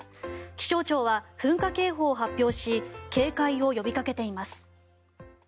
気象庁は噴火警報を発表し警戒を呼びかけています。